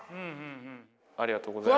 ありがとうございます。